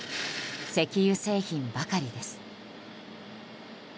石油製品ばかりです。